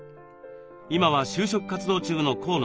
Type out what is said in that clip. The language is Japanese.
今は就職活動中の河野さん。